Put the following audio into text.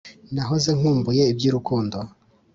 nahoze nkumbuye iby’urukundo,